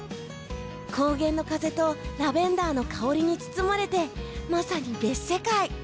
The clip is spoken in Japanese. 高原の風とラベンダーの香りに包まれてまさに別世界。